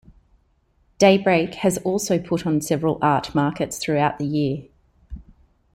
Daybreak has also put on several art markets throughout the year.